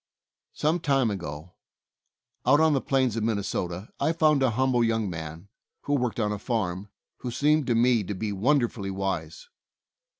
Some time ago, out on the plains of Min nesota, I found a humble young man, who worked on a farm, who seemed to me to be wonderfully wise.